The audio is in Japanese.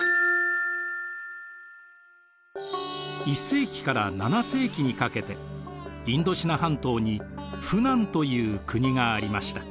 １世紀から７世紀にかけてインドシナ半島に扶南という国がありました。